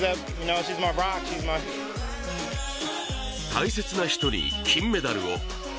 大切な人に金メダルを。